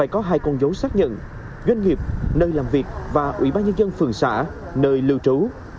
còn dấu xác nhận doanh nghiệp nơi làm việc và ủy ba nhân dân phường xã nơi lưu trú